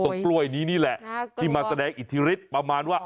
ที่อยู่ตรงปล้วยนี้นี่แหละที่มาแสดงอิทธิฤทธิ์ประมาณว่า